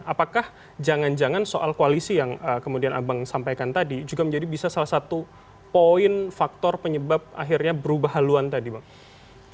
apakah jangan jangan soal koalisi yang kemudian abang sampaikan tadi juga menjadi bisa salah satu poin faktor penyebab akhirnya berubah haluan tadi bang